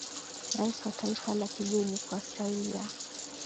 Rais wa taifa la kigeni kwa staili ya